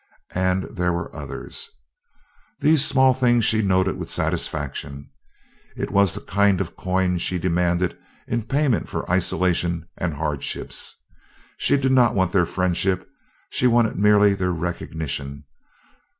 And there were others. These small things she noted with satisfaction. It was the kind of coin she demanded in payment for isolation and hardships. She did not want their friendship; she wanted merely their recognition.